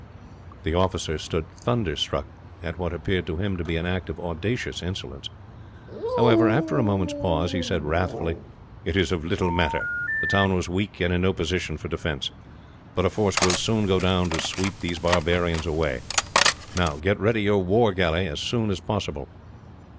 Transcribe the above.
The officer stood thunderstruck at what appeared, to him, to be an act of audacious insolence. However, after a moment's pause, he said wrathfully: "It is of little matter. The town was weak, and in no position for defence; but a force will soon go down to sweep these barbarians away. Now, get ready your war galley, as soon as possible."